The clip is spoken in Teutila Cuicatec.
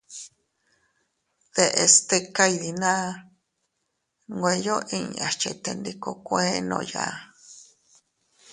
Deʼes stika iydinaa nweyo inñas chetendikuukuennooya.